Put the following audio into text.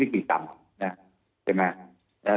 มันไม่มีตำแหน่งนะใช่ไหม